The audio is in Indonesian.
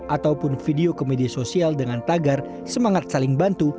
ataupun video ke media sosial dengan tagar semangat saling bantu